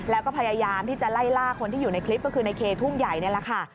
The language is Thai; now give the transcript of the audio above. แล้วก็พยายามที่จะไล่ล่าคนที่อยู่ในคลิปก็คือในเคทุ่งใหญ่นี่แหละค่ะ